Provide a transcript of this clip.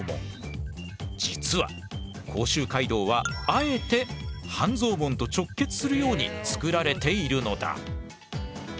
実は甲州街道はあえて半蔵門と直結するように作られているのだ。